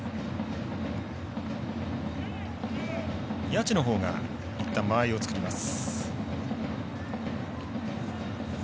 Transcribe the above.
谷内のほうが、いったん間合いを作ります。